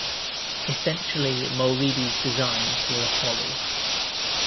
Essentially Mulready's designs were a folly.